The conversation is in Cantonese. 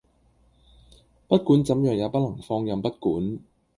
不管怎樣也不能放任不管